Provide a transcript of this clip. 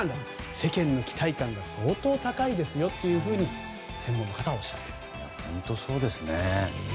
世間の期待感が相当高いですよと、専門家の方はおっしゃっています。